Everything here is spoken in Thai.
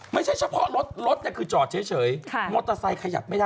ไม่ใช่เฉพาะรถรถคือจอดเฉยมอเตอร์ไซค์ขยับไม่ได้